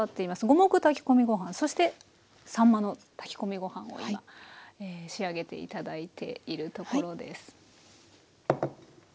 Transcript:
五目炊き込みご飯そしてさんまの炊き込みご飯を今仕上げて頂いているところです。